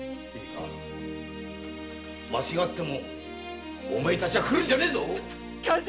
間違ってもお前たちは来るんじゃねぇぞ。